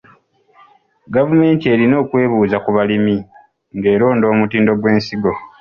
Gavumenti erina okwebuuza ku balimi ng'eronda omutindo gw'ensigo.